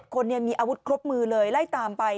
คนมีอาวุธครบมือเลยไล่ตามไป